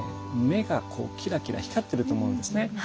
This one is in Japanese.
目がこうキラキラ光ってると思うんですね。